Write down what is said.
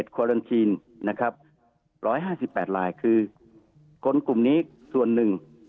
ควอรันทีนนะครับร้อยห้าสิบแปดลายคือคนกลุ่มนี้ส่วนหนึ่ง